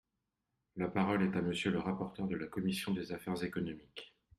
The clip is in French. La parole est à Monsieur le rapporteur de la commission des affaires économiques.